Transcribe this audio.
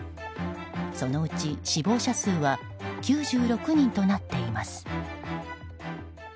そのうち死亡者数は９６人となっています。